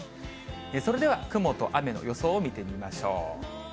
それでは雲と雨の予想を見てみましょう。